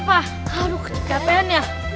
patrons untuk huni